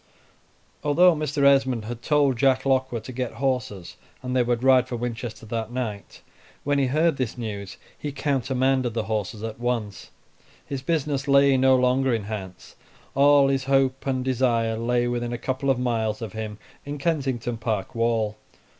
Although Mr. Esmond had told Jack Lockwood to get horses and they would ride for Winchester that night, when he heard this news he countermanded the horses at once; his business lay no longer in Hants; all his hope and desire lay within a couple of miles of him in Kensington Park wall.